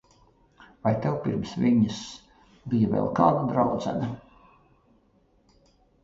Vai tev pirms viņas bija vēl kāda draudzene?